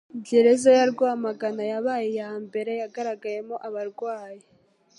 Gereza ya Rwamagana yabaye iya mbere yagaragayemo abarwayi